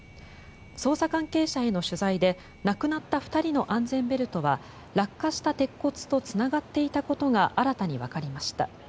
捜査関係者への取材で亡くなった２人の安全ベルトは落下した鉄骨とつながっていたことが新たにわかりました。